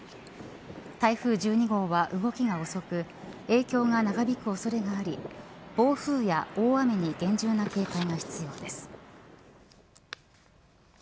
台風１２号は動きが遅く影響が長引く恐れがあり暴風や大雨に厳重な警戒が必要です。